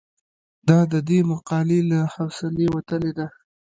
دا د دې مقالې له حوصلې وتلې ده.